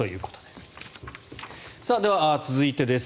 では、続いてです。